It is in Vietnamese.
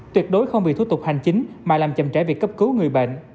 tuyệt đối không bị thủ tục hành chính mà làm chậm trễ việc cấp cứu người bệnh